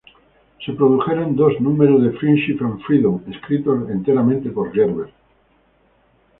Se produjeron dos números de "Friendship and Freedom", escritos enteramente por Gerber.